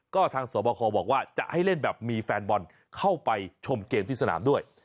ก็ทางสวบคบอกว่าจะให้เล่นแบบมีแฟนบอลเข้าไปชมเกมที่สนามด้วย